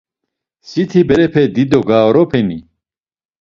Siti berepe dido garopeni?